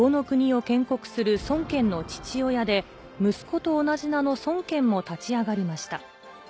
国を建国する孫権の父親で息子と同じ名の孫堅も立ち上がりました